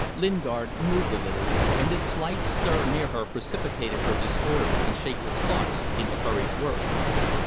Lingard moved a little, and this slight stir near her precipitated her disordered and shapeless thoughts into hurried words.